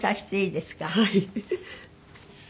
はい。